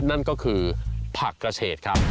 นั่นก็คือผักกระเฉดครับ